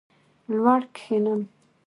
لوړ کښېنم.